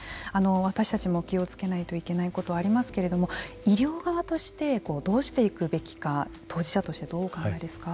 私たちも気をつけないといけないことありますけれども医療側としてどうしていくべきか当事者としてどうお考えですか。